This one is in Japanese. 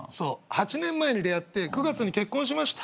８年前に出会って９月に結婚しました。